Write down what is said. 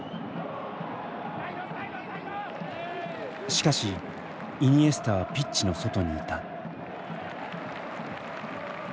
しかしイニエスタはピッチの外にいた。